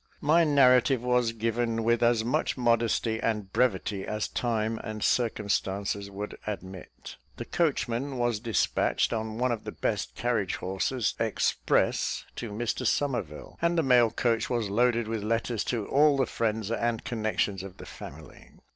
My narrative was given with as much modesty and brevity as time and circumstances would admit. The coachman was despatched on one of the best carriage horses express to Mr Somerville, and the mail coach was loaded with letters to all the friends and connections of the family.